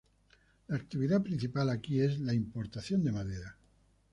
La actividad principal aquí es la importación de madera.